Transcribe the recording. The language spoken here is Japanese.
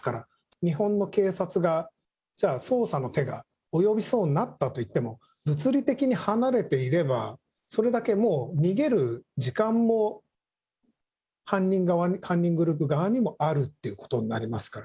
日本の警察がじゃあ、捜査の手が及びそうになったと言っても、物理的に離れていれば、それだけもう、逃げる時間も、犯人グループ側にもあるっていうことになりますから。